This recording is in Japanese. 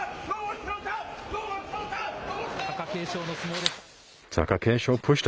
貴景勝の相撲でした。